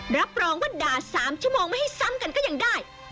รับรองว่าด่า๓ชั่วโมงไม่ให้ซ้ำกันก็ยังได้